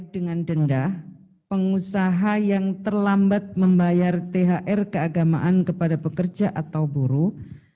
dengan denda pengusaha yang terlambat membayar thr keagamaan kepada pekerja atau buruh